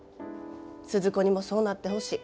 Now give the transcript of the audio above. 鈴子にもそうなってほしい。